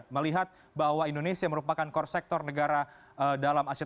melihat bahwa indonesia merupakan core sektor negara dalam asia